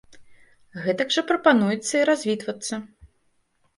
Гэтак жа прапануецца і развітвацца.